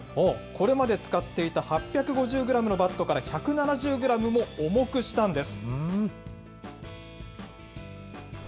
これまで使っていた８５０グラムのバットから１７０グラムも重くしたんです。